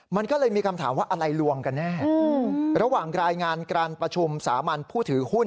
มันก็เลยมีคำถามว่าอะไรลวงกันแน่ระหว่างรายงานการประชุมสามัญผู้ถือหุ้น